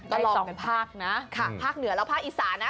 เอาทีสองเนื้อแล้วภาคอิศานะ